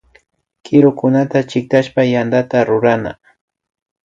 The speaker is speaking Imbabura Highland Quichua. Kirukunata chiktashpa yantata rurana